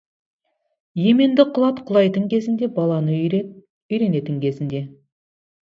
Еменді құлат құрайтын кезінде, баланы үйрет үйренетін кезінде.